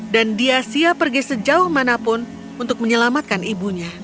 dan dia siap pergi sejauh manapun untuk menyelamatkan ibunya